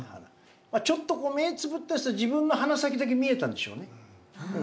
ちょっとこう目つぶったりすると自分の鼻先だけ見えたんでしょうね。